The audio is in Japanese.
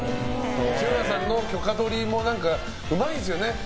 西村さんの許可取りもうまいですよね。